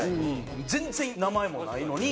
全然名前もないのに。